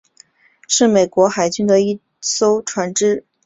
是美国海军的一艘船只。